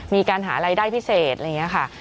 มีการหารายได้พิเศษอะไรอย่างนี้ค่ะ